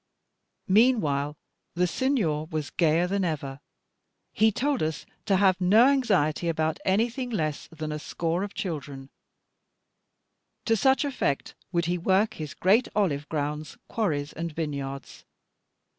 Meanwhile the Signor was gayer than ever: he told us to have no anxiety about anything less than a score of children; to such effect would he work his great olive grounds, quarries, and vineyards.